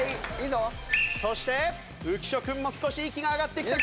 そして浮所君も少し息が上がってきたか？